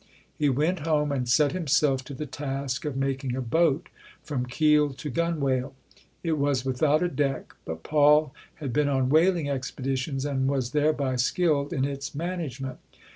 He went home and set himself to the task of making a boat from keel to gunwale. It was without a deck, but Paul had been on whaling expeditions and was thereby skilled in its management.